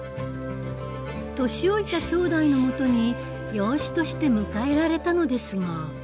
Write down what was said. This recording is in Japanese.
年老いたきょうだいのもとに養子として迎えられたのですが。